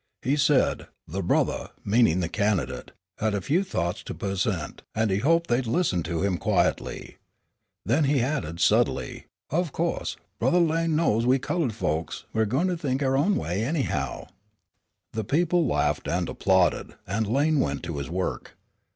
He said, "The brothah," meaning the candidate, "had a few thoughts to pussent," and he hoped they'd listen to him quietly. Then he added subtly: "Of co'se Brothah Lane knows we colo'ed folks 're goin' to think our own way, anyhow." The people laughed and applauded, and Lane went to his work.